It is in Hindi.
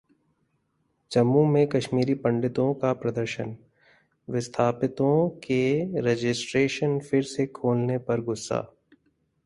जम्मू में कश्मीरी पंडितों का प्रदर्शन, विस्थापितों के रजिस्ट्रेशन फिर से खोलने पर गुस्सा